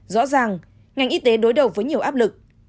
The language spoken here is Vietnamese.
rõ ràng ngành y tế đối đầu với nhiều áp lực